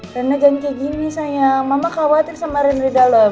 rena jangan kayak gini sayang mama khawatir sama rena di dalam